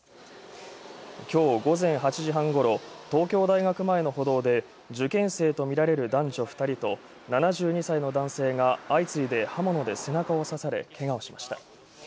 きょう午前８時半頃、東京大学前の歩道で受験生とみられる男女２人と７２歳の男性が相次いで刃物で背中を刺されけがをしました。